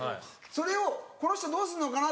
それをこの人どうすんのかな？と思って。